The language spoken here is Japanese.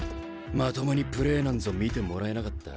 まともにプレーなんぞ見てもらえなかった。